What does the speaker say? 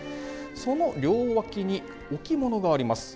その両脇に、置物があります。